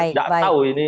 nggak tahu ini